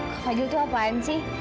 kak fadil tuh apaan sih